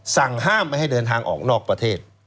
สั่งห้ามไม่ให้เดินทางออกนอกประเทศ